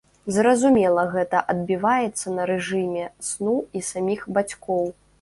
Зразумела, гэта адбіваецца на рэжыме сну і саміх бацькоў.